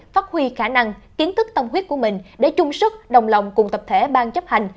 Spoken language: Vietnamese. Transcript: phát huy khả năng kiến thức tâm huyết của mình để chung sức đồng lòng cùng tập thể ban chấp hành